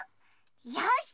よし！